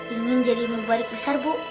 ingin jadi mubalik besar bu